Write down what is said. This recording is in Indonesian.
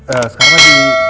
eee sekarang lagi